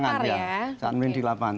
saat menggelinding di lapangan